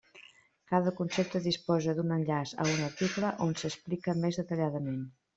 Cada concepte disposa d'un enllaç a un article on s'explica més detalladament.